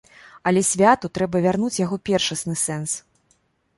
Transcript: Але святу трэба вярнуць яго першасны сэнс.